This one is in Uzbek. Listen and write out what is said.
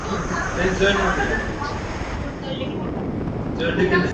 Qilingan ojizona urinishga oʻxshab ketadi.